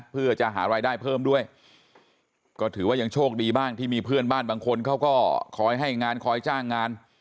เพื่อจะหารายได้เพิ่มด้วยก็ถือว่ายังโชคดีบ้างที่มีเพื่อนบ้านบางคนเขาก็คอยให้งานคอยจ้างงาน